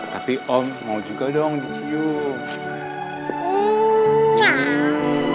tapi om mau juga dong dicium